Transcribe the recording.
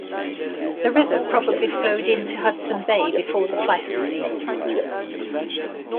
The river probably flowed into Hudson Bay before the Pleistocene.